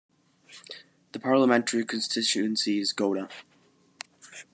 The parliamentary constituency is Godda.